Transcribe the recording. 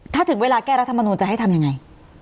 ถ้าถึงเวลาแก้รัฐมนูลจะให้ทำยังไง